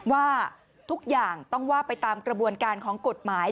ว่าทุกอย่างต้องว่าไปตามกระบวนการของกฎหมาย